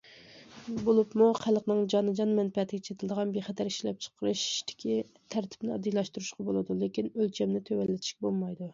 بولۇپمۇ، خەلقنىڭ جانىجان مەنپەئەتىگە چېتىلىدىغان بىخەتەر ئىشلەپچىقىرىشتىكى تەرتىپنى ئاددىيلاشتۇرۇشقا بولىدۇ، لېكىن، ئۆلچەمنى تۆۋەنلىتىشكە بولمايدۇ.